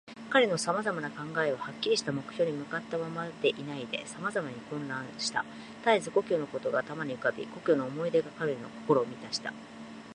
彼のさまざまな考えは、はっきりした目標に向ったままでいないで、さまざまに混乱した。たえず故郷のことが頭に浮かび、故郷の思い出が彼の心をみたした。